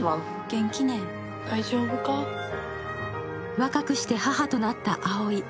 若くして母となったアオイ。